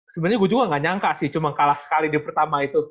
sebenernya gue juga gak nyangka sih cuma kalah sekali di pertama itu